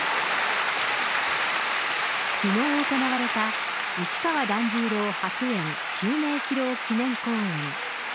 きのう行われた市川團十郎白猿襲名披露記念公演。